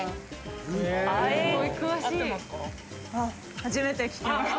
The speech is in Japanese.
初めて聞きました。